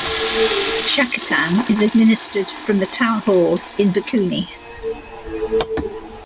Shakotan is administered from the town hall in Bikuni.